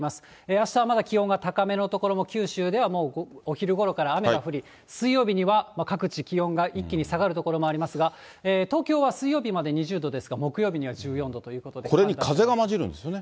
あしたはまだ気温が高めの所も、九州ではもう、お昼ごろから雨が降り、水曜日には各地気温が一気に下がる所もありますが、東京は水曜日まで２０度ですが、これに風が交じるんですよね。